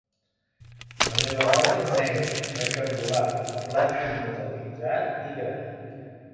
La meva roba és negra, rectangular, de plàstic metal·litzat i gran.